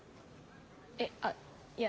えっあっいや。